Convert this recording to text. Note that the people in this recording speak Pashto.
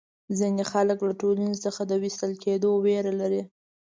ځینې خلک له ټولنې څخه د وېستل کېدو وېره لري.